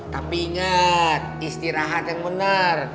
tapi inget istirahat yang bener